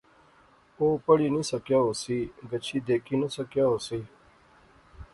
او پڑھی نی سکیا ہوسی گچھی دیکھی نہ سکیا ہوسی